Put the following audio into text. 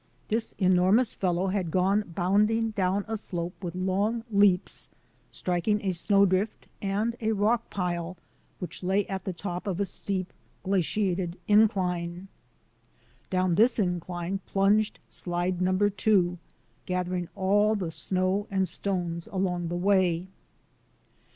This enormous fellow had gone bounding down a slope with long leaps, strik ing a snowdrift and a rock pile which lay at the top of a steep, glaciated incline. Down this incline plunged slide number two, gathering all the snow and stones along the way.